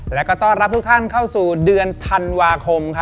แล้วก็ต้อนรับทุกท่านเข้าสู่เดือนธันวาคม